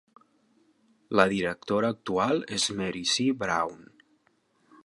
La directora actual es Mary C. Brown.